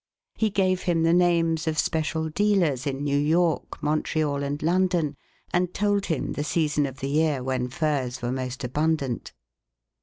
He gave him the names of special dealers in New York, Montreal and London, and told him the season of the year when furs were most abundant.